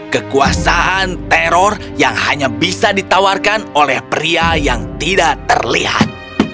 kekuasaan teror yang hanya bisa ditawarkan oleh pria yang tidak terlihat